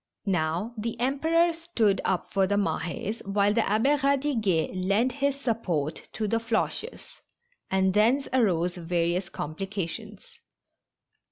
Now, the Emperor stood up for the Mah^s, while the Abb^ Eadiguet lent his support to the Floches, and thence arose various complications.